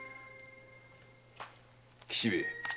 吉兵衛。